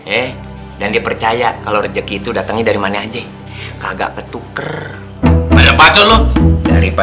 eh dan dipercaya kalau rejeki itu datangnya dari mana aja kagak ketuker pada banyak ini